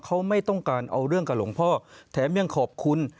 เขาไม่ต้องการเอาเรื่องกับหลวงพ่อแถมยังขอบคุณ